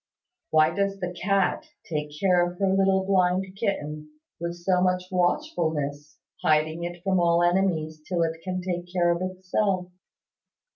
Why does the cat take care of her little blind kitten with so much watchfulness, hiding it from all enemies till it can take care of itself.